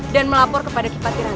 dan melapor kepada kipatiran